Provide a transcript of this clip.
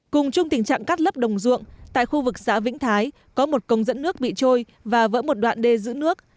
cùng chung tình trạng cắt lấp đồng ruộng tại khu vực xã vĩnh thái có một công dẫn nước bị trôi và vỡ một đoạn đê giữ nước